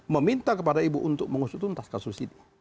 meminta kepada ibu untuk mengusutuntaskan hal ini